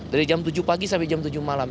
dari jam tujuh pagi sampai jam tujuh malam